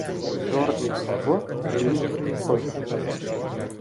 Дорнік В., Ліб П.